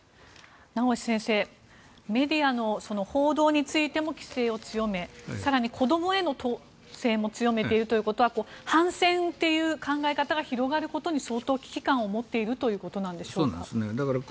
名越先生メディアの報道についても規制を強め、更に子供への統制も強めているということは反戦という考え方が広がることに相当危機感を持っているということでしょうか。